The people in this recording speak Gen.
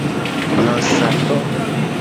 Lasato.